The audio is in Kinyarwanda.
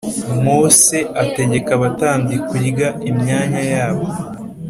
Mose ategeka abatambyi kurya imyanya yabo